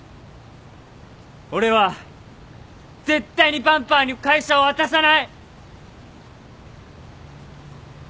俺は絶対にバンパーに会社は渡さない！